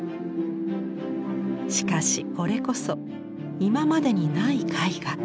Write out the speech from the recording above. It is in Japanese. しかしこれこそ今までにない絵画。